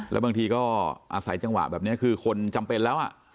แล้วบางทีก็อาศัยจังหวะแบบนี้คือคนจำเป็นแล้ว